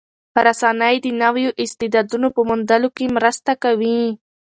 رسنۍ د نویو استعدادونو په موندلو کې مرسته کوي.